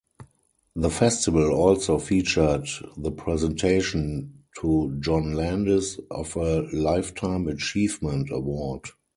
The festival also featured the presentation to John Landis of a lifetime Achievement award.